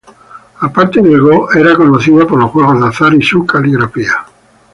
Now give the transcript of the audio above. Aparte del go, era conocido por los juegos de azar y su caligrafía.